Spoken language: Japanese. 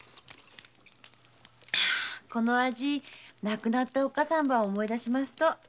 この味亡くなったおっかさんば思い出しますと。